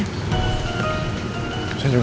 saya juga gak mau lagi